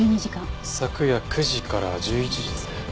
昨夜９時から１１時ですね。